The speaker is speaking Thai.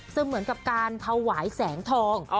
ซึ่งเหมือนกับการถวายแสงทอง